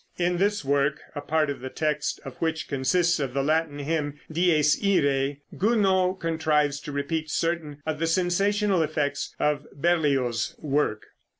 In this work, a part of the text of which consists of the Latin hymn "Dies Iræ," Gounod contrives to repeat certain of the sensational effects of Berlioz's work.